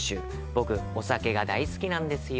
僕、お酒が大好きなんですよ。